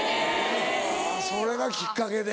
それがきっかけで。